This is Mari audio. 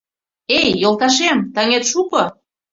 Эй, йолташем, таҥет шуко